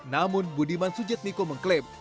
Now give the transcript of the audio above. namun budiman sujadmiko mengklaim